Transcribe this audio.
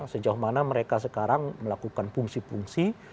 sejauh mana mereka sekarang melakukan fungsi fungsi